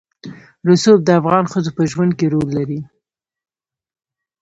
رسوب د افغان ښځو په ژوند کې رول لري.